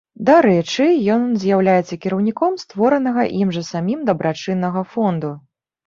Дарэчы, ён з'яўляецца кіраўніком створанага ім жа самім дабрачыннага фонду.